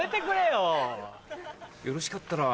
よろしかったら。